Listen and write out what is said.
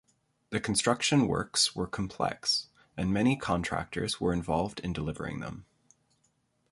The construction works were complex, and many contractors were involved in delivering them.